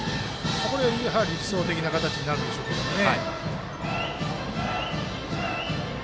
これで理想的な形になるんでしょうけどね。